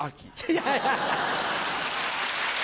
いやいや！